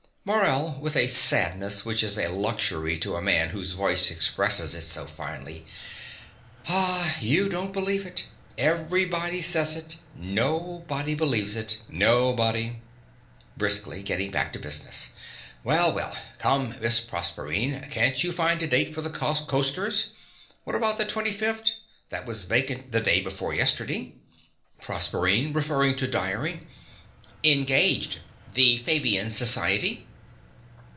MORELL (with a sadness which is a luxury to a man whose voice expresses it so finely). Ah, you don't believe it. Everybody says it: nobody believes it nobody. (Briskly, getting back to business.) Well, well! Come, Miss Proserpine, can't you find a date for the costers? What about the 25th?: that was vacant the day before yesterday. PROSERPINE (referring to diary). Engaged the Fabian Society.